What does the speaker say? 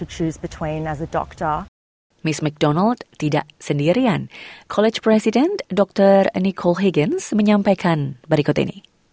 college president dr nicole higgins menyampaikan berikut ini